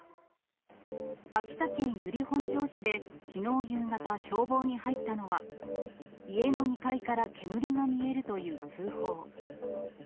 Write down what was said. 秋田県由利本荘市できのう夕方、消防に入ったのは、家の２階から煙が見えるという通報。